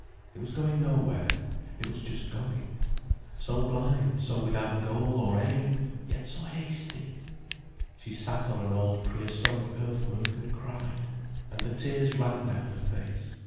It was going nowhere, it was just going. So blind, so without goal or aim, yet so hasty! She sat on an old prehistoric earth work and cried, and the tears ran down her face.